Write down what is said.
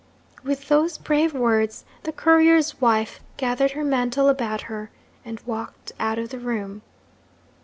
With those brave words the courier's wife gathered her mantle about her, and walked out of the room.